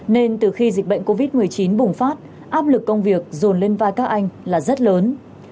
nên từ khi dịch bệnh covid một mươi chín bùng phát áp lực công việc dồn lên vai các anh là rất lớn